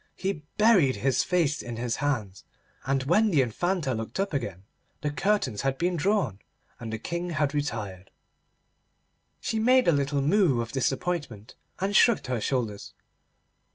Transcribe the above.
He buried his face in his hands, and when the Infanta looked up again the curtains had been drawn, and the King had retired. She made a little moue of disappointment, and shrugged her shoulders.